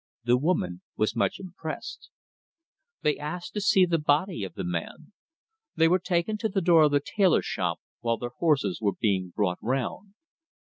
The woman was much impressed. They asked to see the body of the man. They were taken to the door of the tailor shop, while their horses were being brought round.